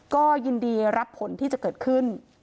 ก็ยินดีรับผลที่จะเกิดขึ้น